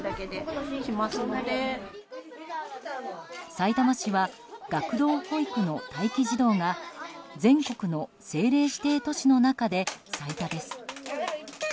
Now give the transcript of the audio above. さいたま市は学童保育の待機児童が全国の政令指令都市の中で最多です。